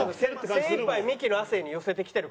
精いっぱいミキの亜生に寄せてきてるから。